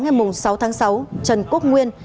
ngày sáu tháng sáu trần quốc nguyên